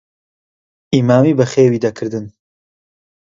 ئیمامی بەخێوی دەکردن.